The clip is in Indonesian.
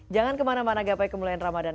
jangan kemana mana gapai kemuliaan ramadhan